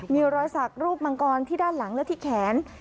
มีรอยสักรูปมังกรที่ด้านหลังและที่แขน